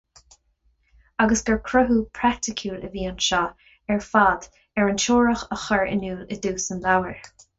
Agus gur cruthú praiticiúil a bhí anseo ar fad ar an teoiric a chuir in iúl i dtús an leabhair.